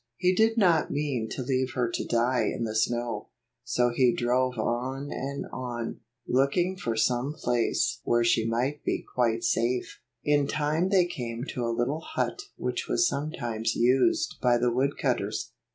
He did not mean to leave her to die in the snow, so he drove on and on, looking for some place where she might be quite safe. In time they came to a little hut which was sometimes used by the wood cutters.